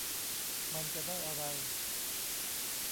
มันจะได้อะไร